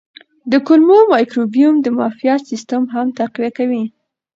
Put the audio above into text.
د کولمو مایکروبیوم د معافیت سیستم هم تقویه کوي.